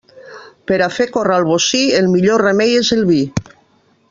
Per a fer córrer el bocí, el millor remei és el vi.